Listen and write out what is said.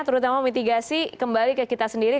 terutama mitigasi kembali ke kita sendiri